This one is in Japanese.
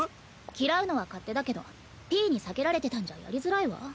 嫌うのは勝手だけどＰに避けられてたんじゃやりづらいわ。